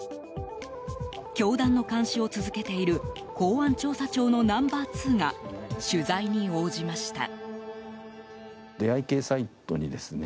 教団の監視を続けている公安調査庁のナンバー２が取材に応じました。